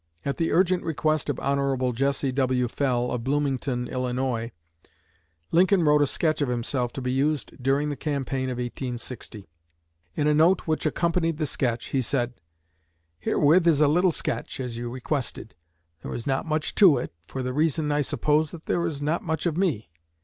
At the urgent request of Hon. Jesse W. Fell, of Bloomington, Illinois, Lincoln wrote a sketch of himself to be used during the campaign of 1860. In a note which accompanied the sketch he said: "Herewith is a little sketch, as you requested. There is not much to it, for the reason, I suppose, that there is not much of me.